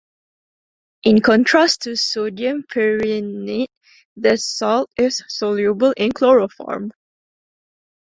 In contrast to sodium perrhenate, this salt is soluble in chloroform.